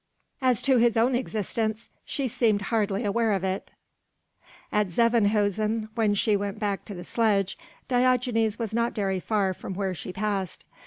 As to his own existence, she seemed hardly aware of it; at Zevenhuisen, when she went back to the sledge, Diogenes was not very far from where she passed.